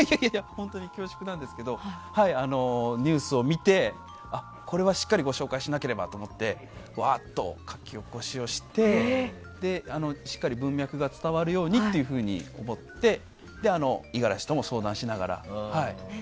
本当に恐縮なんですけどニュースを見て、これはしっかりご紹介しなければと思って書き起こしをして、しっかり文脈が伝わるようにと思って五十嵐とも相談しながら。